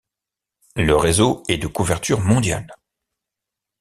Le réseau est de couverture mondiale.